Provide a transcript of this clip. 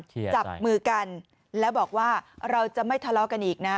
จับมือกันแล้วบอกว่าเราจะไม่ทะเลาะกันอีกนะ